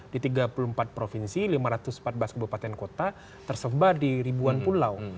di tiga puluh empat provinsi lima ratus empat belas kebupaten kota tersebar di ribuan pulau